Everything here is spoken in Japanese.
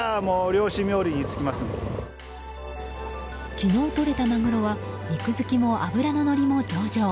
昨日とれたマグロは肉付きも脂ののりも上々。